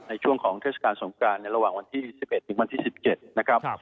ในช่วงของเทศกาลสงกรานในระหว่างวันที่๑๑ถึงวันที่๑๗นะครับ